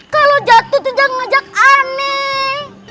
kalau jatuh jangan ajak aneh